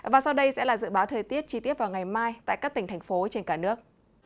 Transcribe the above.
và sau đây sẽ là dự báo thời tiết chi tiết vào ngày mai tại các tỉnh thành phố trên cả nước